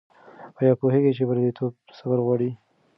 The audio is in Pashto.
آیا پوهېږې چې بریالیتوب صبر غواړي؟